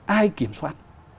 ai kiểm soát